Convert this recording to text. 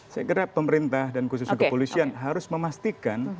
saya kira pemerintah dan khususnya kepolisian harus memastikan